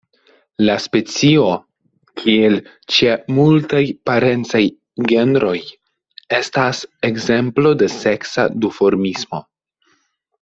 La specio, kiel ĉe multaj parencaj genroj, estas ekzemplo de seksa duformismo.